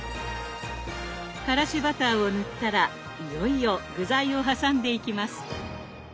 からしバターを塗ったらいよいよ具材を挟んでいきます。